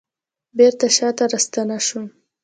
بیرته شاته راستنه شوم